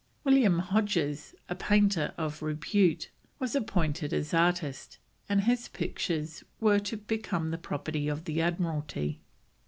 William Hodges, a painter of repute, was appointed as artist, and his pictures were to become the property of the Admiralty.